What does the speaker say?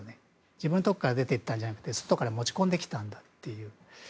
自分のところから出て行ったんじゃなくて外から持ち込んだんだと。